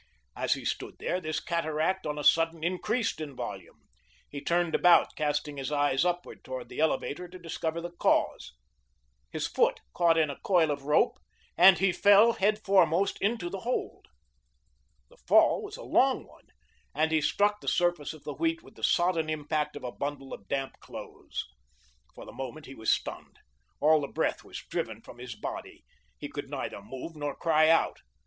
As he stood there, this cataract on a sudden increased in volume. He turned about, casting his eyes upward toward the elevator to discover the cause. His foot caught in a coil of rope, and he fell headforemost into the hold. The fall was a long one and he struck the surface of the wheat with the sodden impact of a bundle of damp clothes. For the moment he was stunned. All the breath was driven from his body. He could neither move nor cry out.